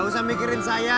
gak usah mikirin saya